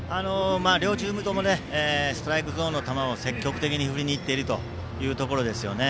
両チームともストライクゾーンの球を積極的に振りにいっているところですね。